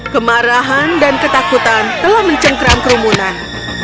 kemarahan dan ketakutan telah mencengkrang kerumunan